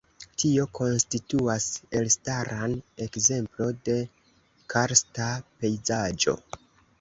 Tio konstituas elstaran ekzemplo de karsta pejzaĝo.